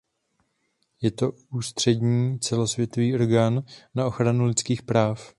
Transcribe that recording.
Je to ústřední, celosvětový orgán na ochranu lidských práv.